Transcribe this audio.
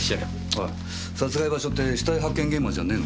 おい殺害場所って死体発見現場じゃねえのか？